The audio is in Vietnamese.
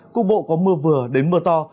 cục bộ có mưa vừa đến mưa to